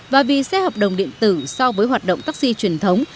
và vì xe hợp đồng điện tử so với hoạt động taxi truyền thống